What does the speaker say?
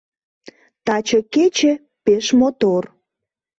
Таче кече пеш мотор.